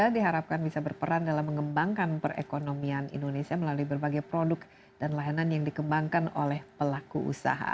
diharapkan bisa berperan dalam mengembangkan perekonomian indonesia melalui berbagai produk dan layanan yang dikembangkan oleh pelaku usaha